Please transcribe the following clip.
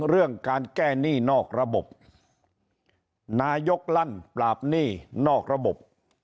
เรื่องการแก้หนี้นอกระบบนายกลั่นปราบหนี้นอกระบบ